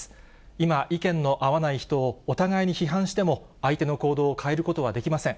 今、意見の合わない人をお互いに批判しても、相手の行動を変えることはできません。